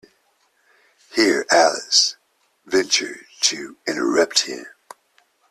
Here Alice ventured to interrupt him.